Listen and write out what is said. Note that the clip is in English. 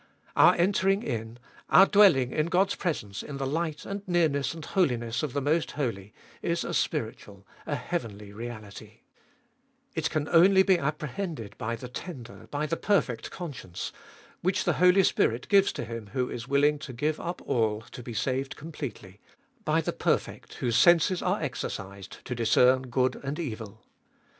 Our entering in, our dwelling in God's presence in the light and nearness and holiness of the Most Holy, is a spiritual, a heavenly reality It can only be apprehended by the tender, by the perfect conscience, which the Holy Spirit gives to him who is willing to give up all to be saved completely, by the perfect whose senses are exer cised to discern good and evil.